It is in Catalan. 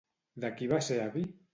De qui va ser avi?